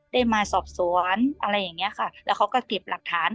ได้มาสอบสวนอะไรอย่างเงี้ยค่ะแล้วเขาก็เก็บหลักฐาน